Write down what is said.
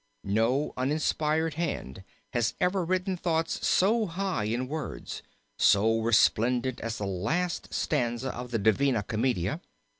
No uninspired hand has ever written thoughts so high in words, so resplendent as the last stanza of the Divina Commedia.